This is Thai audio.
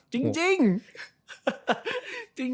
จริง